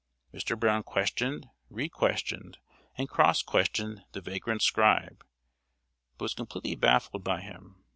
Mr. Brown questioned, re questioned, and cross questioned the vagrant scribe, but was completely baffled by him.